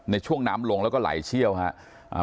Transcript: ในช่วงน้ำลงแล้วก็ไหลเชี่ยวครับ